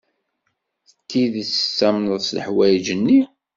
S tidet tettamneḍ leḥwayeǧ-nni?